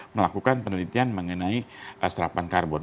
melakukan penelitian mengenai serapan karbon